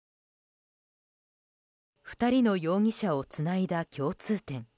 ２人の容疑者をつないだ共通点。